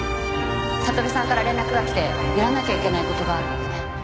悟さんから連絡がきてやらなきゃいけない事があるって。